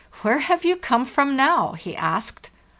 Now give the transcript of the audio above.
"*\Where have you come from now?' he asked.